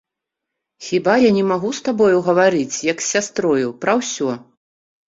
Хіба я не магу з табою гаварыць як з сястрою пра ўсё?